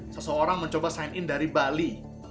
seseorang mencoba sign in dari bali